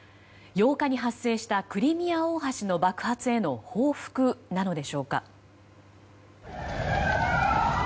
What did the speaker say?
８日に発生したクリミア大橋の爆発への報復なのでしょうか。